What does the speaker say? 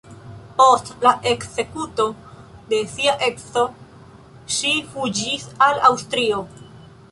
Post la ekzekuto de sia edzo ŝi fuĝis al Aŭstrio.